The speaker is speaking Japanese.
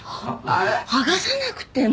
剥がさなくても。